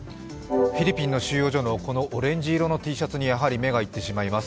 フィリピンの収容所のこのオレンジ色のＴシャツにやはり目が行ってしまいます。